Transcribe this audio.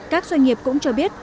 các doanh nghiệp cũng cho biết